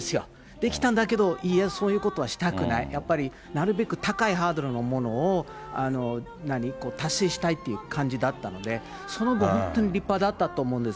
できたんだけど、いや、そういうことはしたくない、やっぱりなるべく高いハードルのものを達成したいという感じだったので、その後、本当に立派だったと思うんです。